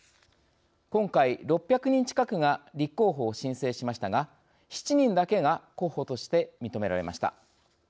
今回６００人近くが立候補を申請しましたが７人だけが候補として認められました。